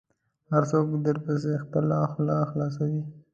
هر څوک درپسې خپله خوله خلاصوي .